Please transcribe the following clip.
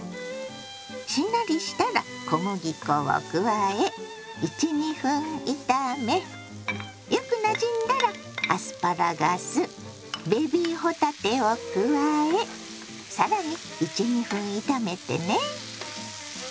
しんなりしたら小麦粉を加え１２分炒めよくなじんだらアスパラガスベビー帆立てを加え更に１２分炒めてね。